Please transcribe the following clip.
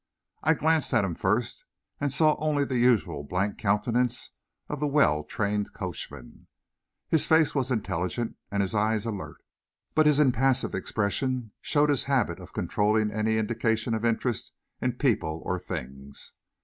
I glanced at him first and saw only the usual blank countenance of the well trained coachman. His face was intelligent, and his eyes alert, but his impassive expression showed his habit of controlling any indication of interest in people or things.